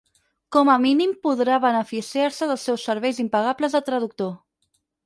Com a mínim podrà beneficiar-se dels seus serveis impagables de traductor.